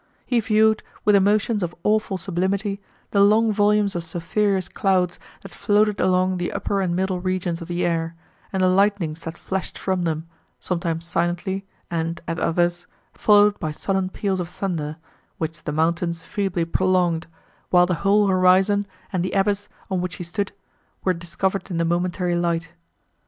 He viewed, with emotions of awful sublimity, the long volumes of sulphureous clouds, that floated along the upper and middle regions of the air, and the lightnings that flashed from them, sometimes silently, and, at others, followed by sullen peals of thunder, which the mountains feebly prolonged, while the whole horizon, and the abyss, on which he stood, were discovered in the momentary light.